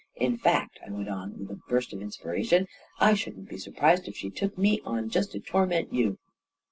In .% fact," I went on, with a burst of inspiration, " I shouldn't be surprised if she took me on just to tor ment you